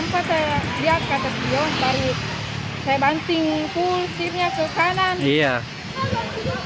saya banting pulsirnya ke kanan